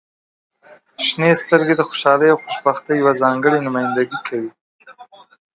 • شنې سترګې د خوشحالۍ او خوشبختۍ یوه ځانګړې نمایندګي کوي.